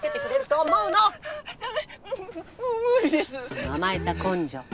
その甘えた根性